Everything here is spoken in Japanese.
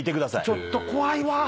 ちょっと怖いわぁ。